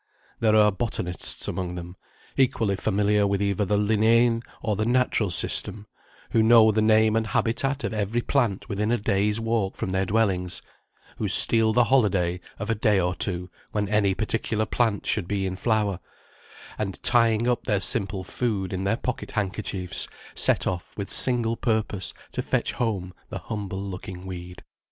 There are botanists among them, equally familiar with either the Linnæan or the Natural system, who know the name and habitat of every plant within a day's walk from their dwellings; who steal the holiday of a day or two when any particular plant should be in flower, and tying up their simple food in their pocket handkerchiefs, set off with single purpose to fetch home the humble looking weed.